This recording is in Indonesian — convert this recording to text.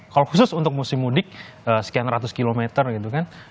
kalau khusus untuk musim mudik sekian ratus kilometer gitu kan